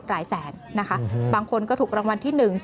หลายแสนนะคะบางคนก็ถูกรางวัลที่๑